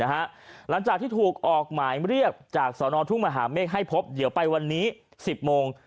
หลังจากที่ถูกออกหมายเรียกจากสนทุ่งมหาเมฆให้พบเดี๋ยวไปวันนี้๑๐โมง